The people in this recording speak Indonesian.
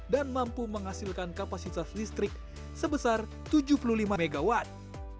dan mampu menghasilkan kapasitas listrik sebesar tujuh puluh lima megawatt